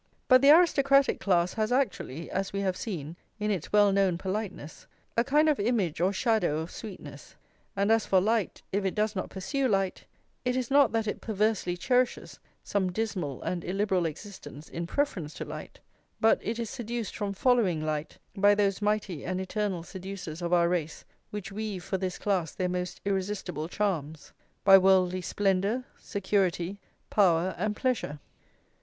But the aristocratic class has actually, as we have seen, in its well known politeness, a kind of image or shadow of sweetness; and as for light, if it does not pursue light, it is not that it perversely cherishes some dismal and illiberal existence in preference to light, but it is seduced from following light by those mighty and eternal seducers of our race which weave for this class their most irresistible charms, by worldly splendour, security, power and pleasure.